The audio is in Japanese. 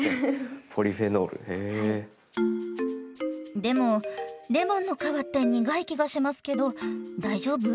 でもレモンの皮って苦い気がしますけど大丈夫？